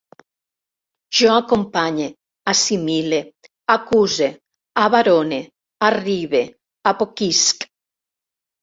Jo acompanye, assimile, acuse, abarone, arribe, apoquisc